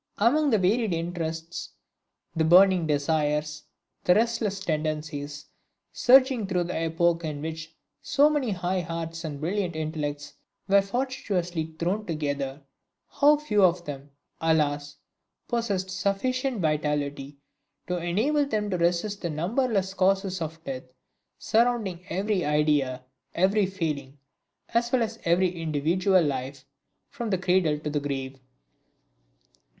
Among the varied interests, the burning desires, the restless tendencies surging through the epoch in which so many high hearts and brilliant intellects were fortuitously thrown together, how few of them, alas! possessed sufficient vitality to enable them to resist the numberless causes of death, surrounding every idea, every feeling, as well as every individual life, from the cradle to the grave!